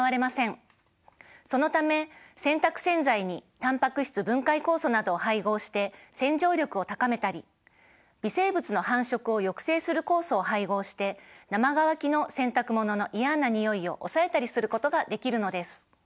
そのため洗濯洗剤にタンパク質分解酵素などを配合して洗浄力を高めたり微生物の繁殖を抑制する酵素を配合して生乾きの洗濯物の嫌なにおいを抑えたりすることができるのです。